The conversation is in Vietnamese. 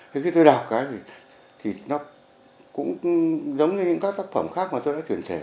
thế khi tôi đọc thì nó cũng giống như những các tác phẩm khác mà tôi đã truyền thể